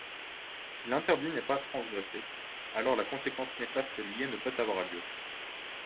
Si l'interdit n'est pas transgressé, alors la conséquence néfaste liée ne peut avoir lieu.